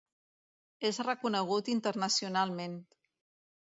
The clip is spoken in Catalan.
És reconegut internacionalment.